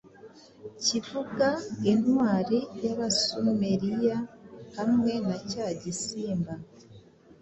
kivuga intwari yAbasumeriya hamwe na cya gisimba